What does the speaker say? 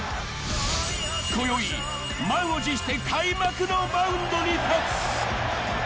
今宵、満を持して開幕のマウンドに立つ。